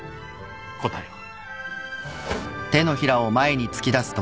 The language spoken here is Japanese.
答えは。